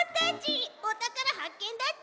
おたからはっけんだち！